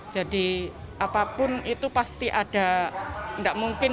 jadi apapun itu pasti ada tidak mungkin